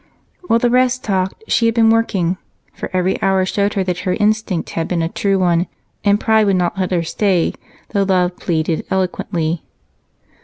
While the rest talked, she had been working, for every hour showed her that her instinct had been a true one and pride would not let her stay, though love pleaded eloquently.